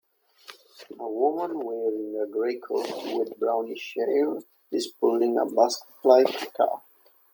A woman wearing a gray coat, with brownish hair, is pulling a basketlike cart.